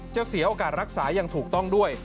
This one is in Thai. เสียโอกาสรักษาอย่างถูกต้องด้วย